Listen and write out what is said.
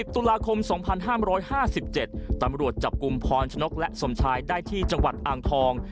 ตุลาคม๒๕๕๗ตำรวจจับกลุ่มพรชนกและสมชายได้ที่จังหวัดอ่างทอง